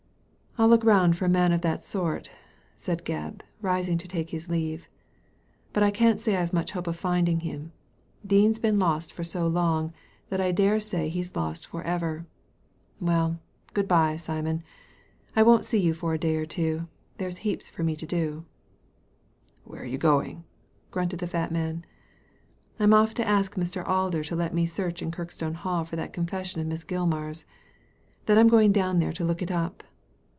" I'll look round for a man of that sort," said Gebb, rising to take his leave, " but I can't say I've much hope of finding him. Dean's been lost for so long that I dare say he's lost for ever. Well, good bye, Simon. I won't see you for a day or two. There's heaps for me to do. Where are you going ?" grunted the fat man. " I'm off to ask Mr. Alder to let me search in Kirk stone Hall for that confession of Miss Gilmar's. Then I'm going down there to look it up."